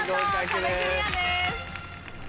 見事壁クリアです。